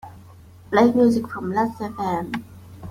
Play music from Lastfm.